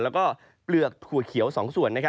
แล้วก็เปลือกถั่วเขียว๒ส่วน